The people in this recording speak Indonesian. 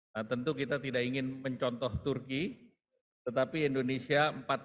nah tentu kita tidak ingin mencontoh turki tetapi indonesia empat tiga